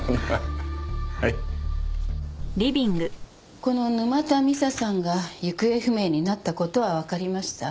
この沼田美沙さんが行方不明になった事はわかりました。